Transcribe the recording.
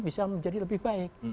bisa menjadi lebih baik